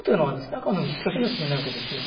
あくまでもきっかけにすぎないわけですよ。